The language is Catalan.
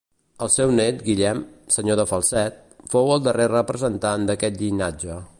El seu nét, Guillem, senyor de Falset, fou el darrer representant d'aquest llinatge.